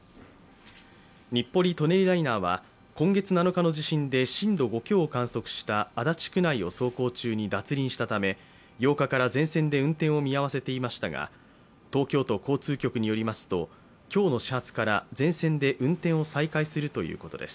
日暮里・舎人ライナーは、今月７日の地震で震度５強を観測した足立区内を走行中に脱輪したため８日から全線で運転を見合わせていましたが東京都交通局によりますと今日の始発から全線で運転を再開するということです。